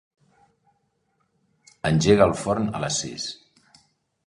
Engega el forn a les sis.